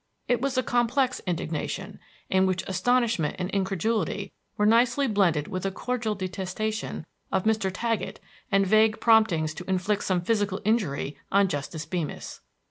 It was a complex indignation, in which astonishment and incredulity were nicely blended with a cordial detestation of Mr. Taggett and vague promptings to inflict some physical injury on Justice Beemis.